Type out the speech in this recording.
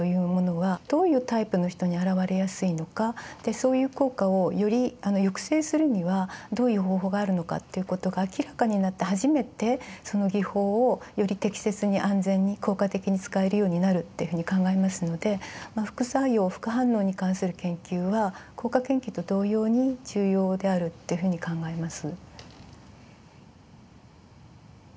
そういう効果をより抑制するにはどういう方法があるのかということが明らかになって初めてその技法をより適切に安全に効果的に使えるようになるというふうに考えますのでまあ副作用副反応に関する研究は効果研究と同様に重要であるというふうに考えます。